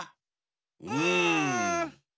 うん。